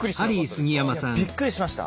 びっくりしました。